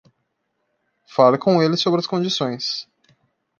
Fale com eles sobre as condições